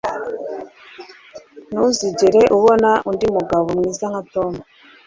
Ntuzigera ubona undi mugabo mwiza nka Tom.